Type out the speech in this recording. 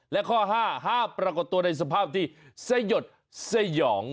และข้อ๕ห้ามปรากฏตัวในสภาพที่สยดสยอง